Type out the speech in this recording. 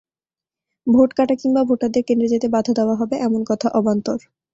Vote কাটা কিংবা ভোটারদের কেন্দ্রে যেতে বাধা দেওয়া হবে, এমন কথা অবান্তর।